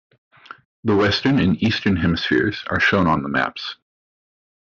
The Western and Eastern hemispheres are shown on the maps.